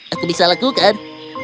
aku bisa lakukan